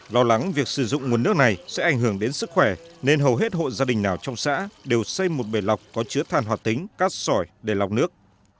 lo lắng việc sử dụng nguồn nước này sẽ ảnh hưởng đến sức khỏe nên hầu hết hộ gia đình nào trong xã đều xây một bể lọc có chứa thàn hoạt tính cát sỏi để lọc nước